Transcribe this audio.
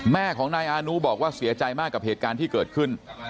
แม่ของนายอานุบอกว่าเสียใจมากกับเหตุการณ์ที่เกิดขึ้น